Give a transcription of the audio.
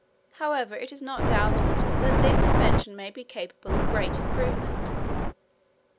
However it is not doubted, that this invention may be capable of great improvement.